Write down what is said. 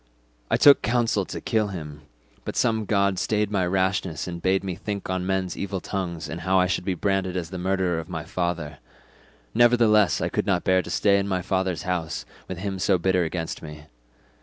I took counsel to kill him, but some god stayed my rashness and bade me think on men's evil tongues and how I should be branded as the murderer of my father; nevertheless I could not bear to stay in my father's house with him so bitter against me.